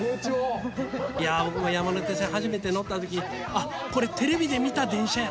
僕も山手線初めて乗った時「あこれテレビで見た電車や！」